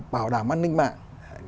bảo đảm an ninh mạng